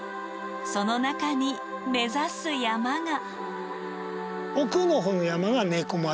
その中に目指す山が。